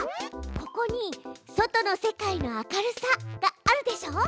ここに「外の世界の明るさ」があるでしょ。